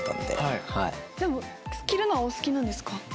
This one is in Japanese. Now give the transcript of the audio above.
でも着るのはお好きなんですか？